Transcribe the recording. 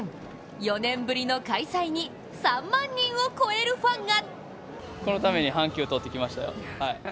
４年ぶりの開催に、３万人を超えるファンが！